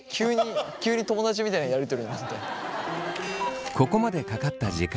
急に友達みたいなやり取りになったよ。